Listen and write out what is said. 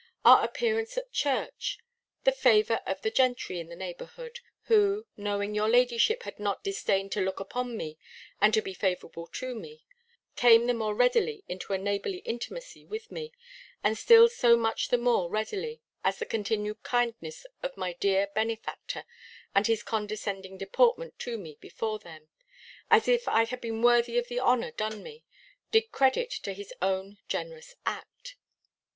Our appearance at church; the favour of the gentry in the neighbourhood, who, knowing your ladyship had not disdained to look upon me, and to be favourable to me, came the more readily into a neighbourly intimacy with me, and still so much the more readily, as the continued kindness of my dear benefactor, and his condescending deportment to me before them (as if I had been worthy of the honour done me), did credit to his own generous act.